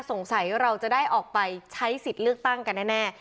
เราจะได้ออกไปใช้สิทธิ์เลือกตั้งกันแน่